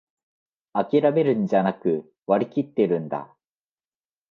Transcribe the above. あきらめるんじゃなく、割りきってるんだ